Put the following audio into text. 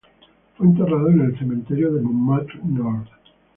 Fue enterrado en el cementerio de Montmartre Nord.